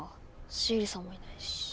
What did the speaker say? シエリさんもいないし。